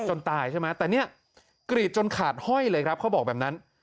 ตายใช่ไหมแต่เนี่ยกรีดจนขาดห้อยเลยครับเขาบอกแบบนั้น